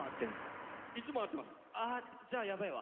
あじゃあやばいわ。